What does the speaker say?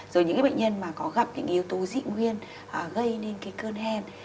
rồi những bệnh nhân có gặp những yếu tố dị nguyên gây nên cơn hen